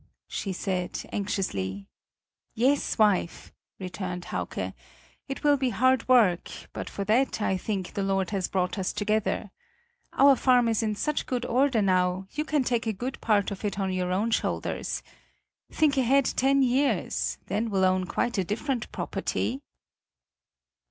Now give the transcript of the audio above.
she said, anxiously. "Yes, wife," returned Hauke; "it will be hard work; but for that, I think, the Lord has brought us together! Our farm is in such good order now, you can take a good part of it on your own shoulders. Think ahead ten years then we'll own quite a different property."